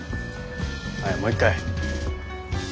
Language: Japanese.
はいもう一回。